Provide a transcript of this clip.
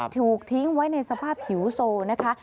ถูกทิ้งไว้ในสภาพหิวโซนะคะ